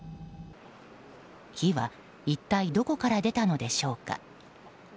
火は、一体どこから出たのでしょうか。